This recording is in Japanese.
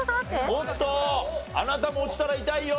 おっとあなたも落ちたら痛いよ！